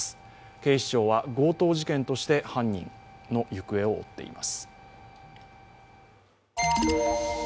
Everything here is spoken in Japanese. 警視庁は強盗事件として犯人の行方を追っています。